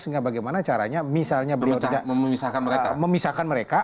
sehingga bagaimana caranya misalnya beliau tidak memisahkan mereka